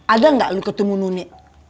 ada gak lu ketemu nuni